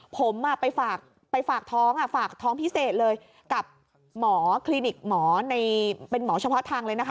ผมไปฝากท้องฝากท้องพิเศษเลยกับหมอคลินิกหมอเป็นหมอเฉพาะทางเลยนะคะ